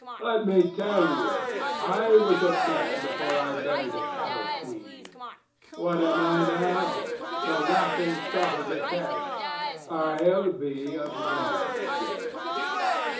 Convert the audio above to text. Let me tell you. I was a man before I married a cattle queen. What am I now? The laughing stock of the camps. I'll be a man again."